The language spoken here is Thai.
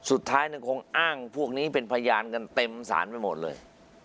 สุดท้ายยังคงอ้างพวกนี้เป็นพยานกันเต็มสารไปหมดเลย